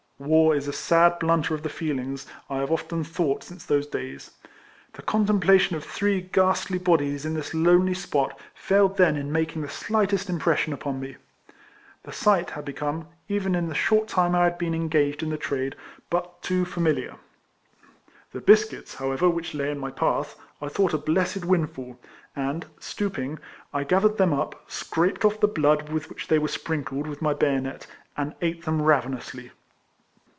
War is a sad blunter of the feelings, I have often thought since those days. The contemplation of three ghastly bodies in this lonely spot failed then in making the slightest impression upon me. The sight had become, even in the short time I had been engaged in the trade, but too familiar. The biscuits, however, which lay in my path, I thought a blessed windfall, and, stooping, I gathered them up, scraped off the blood with which they were sprinkled with my bayonet, and ate them ravenously.